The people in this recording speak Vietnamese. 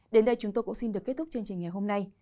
đến đây chúng tôi cũng xin được kết thúc chương trình ngày hôm nay